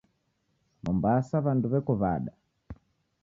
Mombasa w'andu weko w'ada?